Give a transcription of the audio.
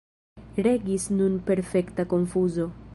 Regis nun perfekta konfuzo.